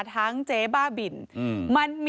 ทั้งเจ๊บ้าบิน